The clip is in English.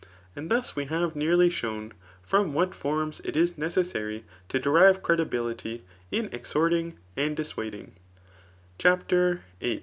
And thus we have nearly shown from what forms it is necessary to derive credibility in exhorting and dissuad ing^ CHAPTER Vin.